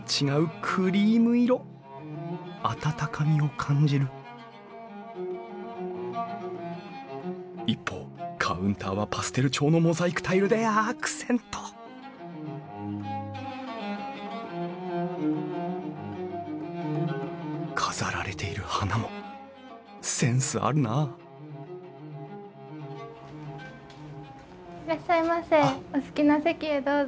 温かみを感じる一方カウンターはパステル調のモザイクタイルでアクセント飾られている花もセンスあるなあいらっしゃいませお好きな席へどうぞ。